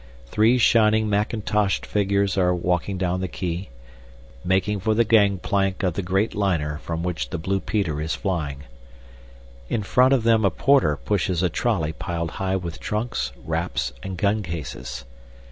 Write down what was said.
Three shining mackintoshed figures are walking down the quay, making for the gang plank of the great liner from which the blue peter is flying. In front of them a porter pushes a trolley piled high with trunks, wraps, and gun cases.